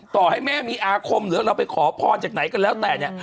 ต่อให้แม่มีอาคมหรือเราไปขอพรจากไหนก็แล้วแต่เนี่ย